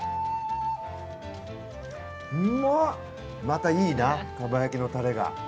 またいいな、かば焼きのタレが。